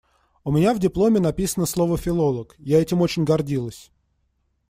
У меня в дипломе написано слово «филолог», я этим очень гордилась.